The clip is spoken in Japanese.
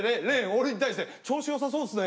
俺に対して「調子良さそうっすね」。